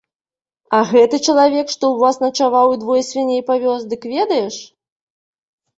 А гэты чалавек, што ў вас начаваў і двое свіней павёз, дык ведаеш?